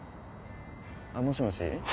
もしもし。